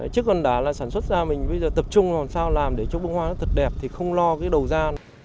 chứ còn đả là sản xuất ra mình bây giờ tập trung làm sao làm để cho bông hoa nó thật đẹp thì không lo cái đầu ra